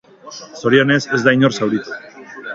Zorionez, ez da inor zauritu.